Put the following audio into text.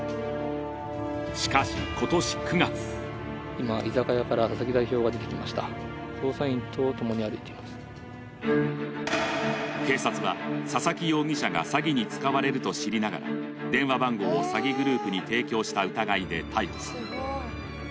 しかし、今年９月警察は佐々木容疑者が詐欺に使われると知りながら電話番号を詐欺グループに提供した疑いで逮捕。